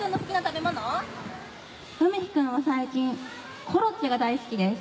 海陽くんは最近コロッケが大好きです。